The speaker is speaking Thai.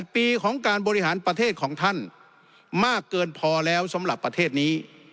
ปีของการบริหารประเทศของท่านมากเกินพอแล้วสำหรับประเทศนี้